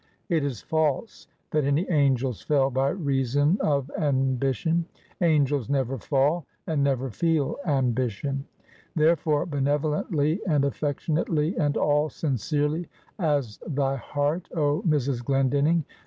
It is false, that any angels fell by reason of ambition. Angels never fall; and never feel ambition. Therefore, benevolently, and affectionately, and all sincerely, as thy heart, oh, Mrs. Glendinning!